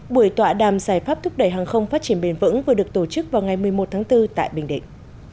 buổi tọa đàm giải pháp thúc đẩy hàng không phát triển bền vững vừa được tổ chức vào ngày một mươi một tháng bốn tại bình định